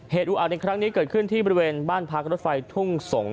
อุอาจในครั้งนี้เกิดขึ้นที่บริเวณบ้านพักรถไฟทุ่งสงศ